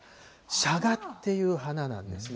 シャガっていう花なんですね。